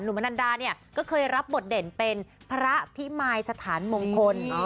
มนันดาเนี่ยก็เคยรับบทเด่นเป็นพระพิมายสถานมงคล